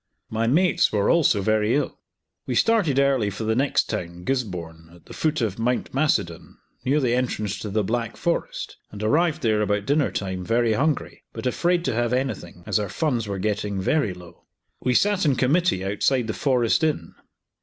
My mates were also very ill. We started early for the next town, Gisborne, at the foot of Mount Macedon, near the entrance to the Black Forest, and arrived there about dinner time very hungry, but afraid to have anything, as our funds were getting very low. We sat in committee outside the Forest Inn.